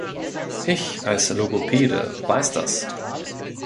Ich als Logopäde weiß das.